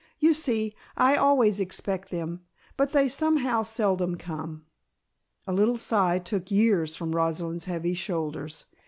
You see, I always expect them, but they somehow seldom come." A little sigh took years from Rosalind's heavy shoulders.